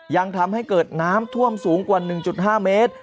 ยังทำให้เกิดน้ำท่วมสูงกว่า๑๕เมตร